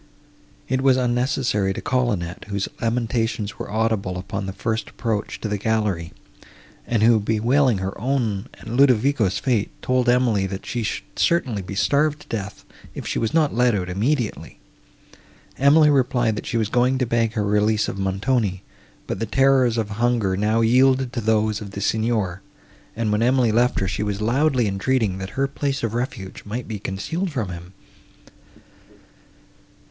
It was unnecessary to call Annette, whose lamentations were audible upon the first approach to the gallery, and who, bewailing her own and Ludovico's fate, told Emily, that she should certainly be starved to death, if she was not let out immediately. Emily replied, that she was going to beg her release of Montoni; but the terrors of hunger now yielded to those of the Signor, and, when Emily left her, she was loudly entreating, that her place of refuge might be concealed from him.